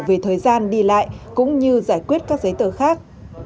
về thời gian đi lại cũng như giải quyết các giấy tờ khác